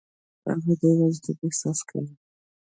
هغه د یوازیتوب احساس کوي.